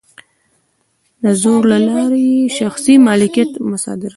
د زور له لارې یې شخصي مالکیت مصادره کړ.